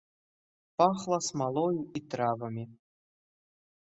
Пахла смалою і травамі.